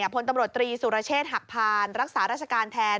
พลตำรวจตรีสุรเชษฐ์หักพานรักษาราชการแทน